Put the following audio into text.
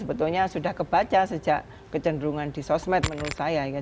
sebetulnya sudah kebaca sejak kecenderungan di sosmed menurut saya